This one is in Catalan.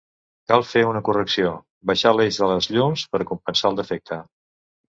Cal fer una correcció, baixar l'eix de les llums per compensar el defecte.